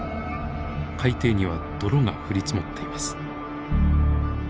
海底には泥が降り積もっています。